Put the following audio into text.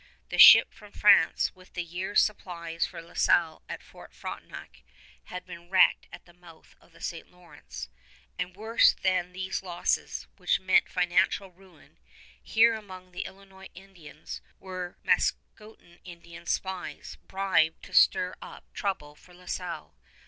The ship from France with the year's supplies for La Salle at Fort Frontenac had been wrecked at the mouth of the St. Lawrence; and worse than these losses, which meant financial ruin, here among the Illinois Indians were Mascoutin Indian spies bribed to stir up trouble for La Salle.